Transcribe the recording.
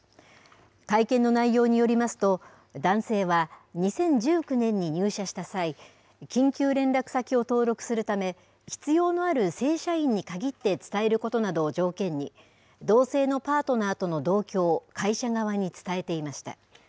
会見の内容によりますと、男性は２０１９年に入社した際、緊急連絡先を登録するため、必要のある正社員に限って伝えることなどを条件に、同性のパートナーとの同居を会社側に伝えていました。